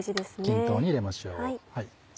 均等に入れましょう。